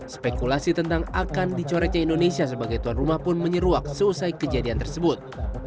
spekulasi tentang akan dicoretnya indonesia sebagai tuan rumah pun menyeruak selesai kejadian tersebut